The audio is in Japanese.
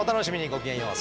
ごきげんよう。